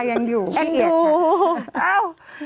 ยังอยู่พี่เอียดค่ะฮักต่อค่ะอ้าว